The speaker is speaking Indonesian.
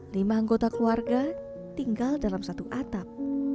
lima anggota keluarga tinggal dalam satu atap